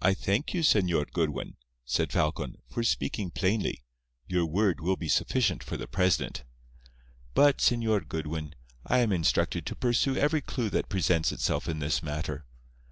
"I thank you, Señor Goodwin," said Falcon, "for speaking plainly. Your word will be sufficient for the president. But, Señor Goodwin, I am instructed to pursue every clue that presents itself in this matter.